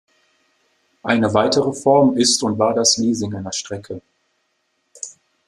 Eine weitere Form ist und war das Leasing einer Strecke.